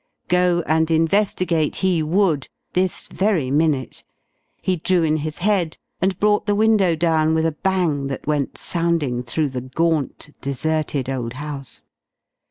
Go and investigate he would, this very minute! He drew in his head and brought the window down with a bang that went sounding through the gaunt, deserted old house.